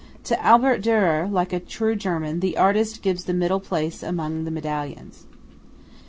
To Albert Dürer, like a true German, the artist gives the middle place among the medallions.